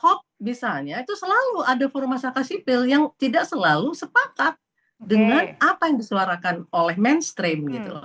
hoax misalnya itu selalu ada forum masyarakat sipil yang tidak selalu sepakat dengan apa yang disuarakan oleh mainstream gitu